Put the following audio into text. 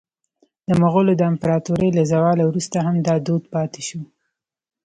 د مغولو د امپراطورۍ له زواله وروسته هم دا دود پاتې شو.